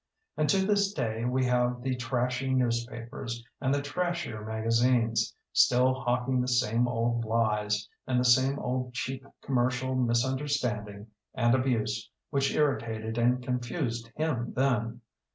And to this day we have the trashy newspapers, and the trashier magazines, still hawking the same old lies and the same old cheap commer cial misunderstanding and abuse which irritated and confused him then.